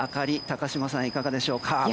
高島さん、いかがですか。